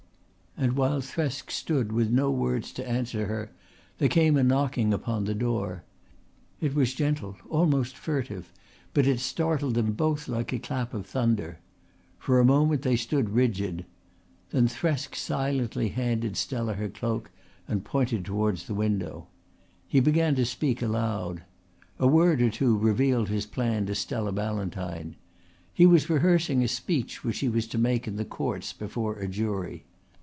And while Thresk stood with no words to answer her there came a knocking upon the door. It was gentle, almost furtive, but it startled them both like a clap of thunder. For a moment they stood rigid. Then Thresk silently handed Stella her cloak and pointed towards the window. He began to speak aloud. A word or two revealed his plan to Stella Ballantyne. He was rehearsing a speech which he was to make in the Courts before a jury.